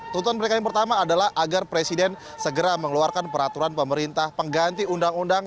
tuntutan mereka yang pertama adalah agar presiden segera mengeluarkan peraturan pemerintah pengganti undang undang